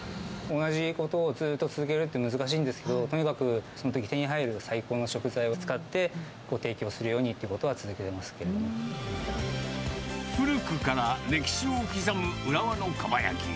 同じことをずっと続けるって難しいんですけど、そのとき手に入る最高の食材を使って、ご提供するようにというこ古くから歴史を刻む浦和のかば焼き。